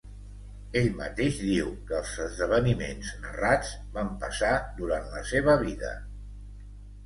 Ell mateix diu que els esdeveniments narrats van passar durant la seva vida.